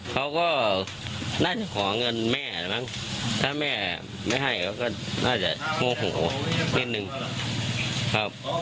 เขาก็น่าจะขอเงินแม่แล้วมั้งถ้าแม่ไม่ให้เขาก็น่าจะโมโหนิดนึงครับ